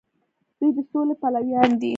دوی د سولې پلویان دي.